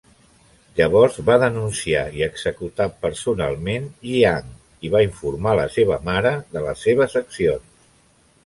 Llavors va denunciar i executar personalment Jiang i va informar la seva mare de les seves accions.